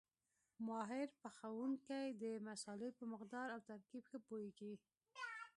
ماهر پخوونکی د مسالې په مقدار او ترکیب ښه پوهېږي.